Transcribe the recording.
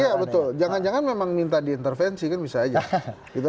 iya betul jangan jangan memang minta diintervensi kan bisa aja